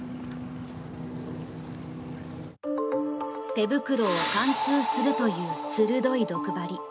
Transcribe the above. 手袋を貫通するという鋭い毒針。